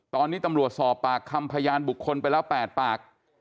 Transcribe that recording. ตอนนี้ตำรวจสอบปากคำพยานบุคคลไปแล้ว๘ปาก